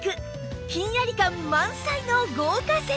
ひんやり感満載の豪華セット